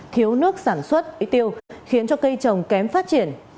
thiếu nước sản xuất ít tiêu khiến cho cây trồng kém phát triển